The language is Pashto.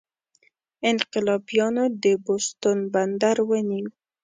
انقلابیانو د بوستون بندر ونیو.